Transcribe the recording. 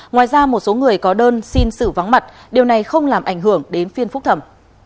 ngoài ra một số người có đơn xin xử vắng mặt điều này không làm ảnh hưởng đến phiên phúc thẩm